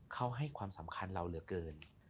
เขาให้ความสำคัญเราเหลือเกิน